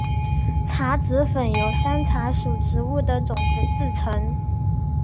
茶籽粉由山茶属植物的种子制成。